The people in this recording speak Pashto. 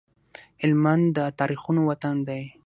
هلمند د تاريخونو وطن دی